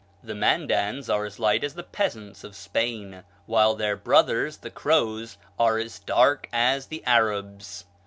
The Mandans are as light as the peasants of Spain, while their brothers, the Crows, are as dark as the Arabs.